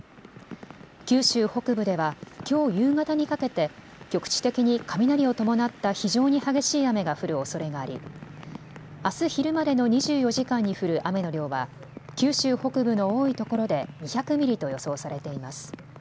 九州北部ではきょう夕方にかけて局地的に雷を伴った非常に激しい雨が降るおそれがありあす昼までの２４時間に降る雨の量は九州北部の多いところで２００ミリと予想されています。